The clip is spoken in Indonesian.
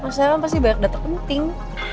maksudnya kan pasti banyak data penting